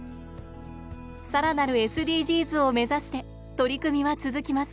更なるＳＤＧｓを目指して取り組みは続きます。